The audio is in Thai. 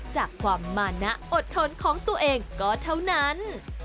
จากความมานะอดทนของตัวเองก็เท่านั้น